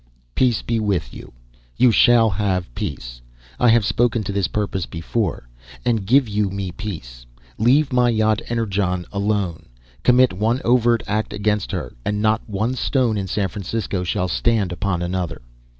Peace be with you. You shall have peace. I have spoken to this purpose before. And give you me peace. Leave my yacht Energon alone. Commit one overt act against her and not one stone in San Francisco shall stand upon another.